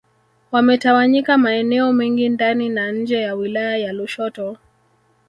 Wametawanyika maeneo mengi ndani na nje ya wilaya ya Lushoto